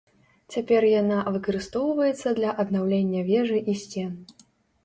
Цяпер яна выкарыстоўваецца для аднаўлення вежы і сцен.